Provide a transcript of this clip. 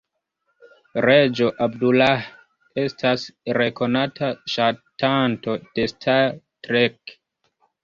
Reĝo Abdullah estas rekonata ŝatanto de "Star Trek".